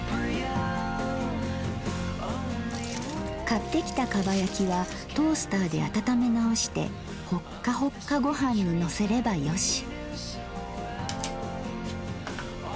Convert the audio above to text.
買ってきた蒲焼きはトースターで温め直してホッカホッカ御飯にのせればよし。